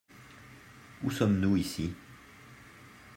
Où sommes-nous ici ?